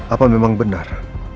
apa memang benar